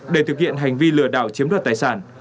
để thực hiện hành vi lừa đảo chiếm đoạt tài sản